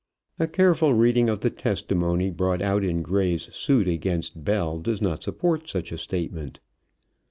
A careful reading of the testimony brought out in Gray's suit against Bell does not support such a statement.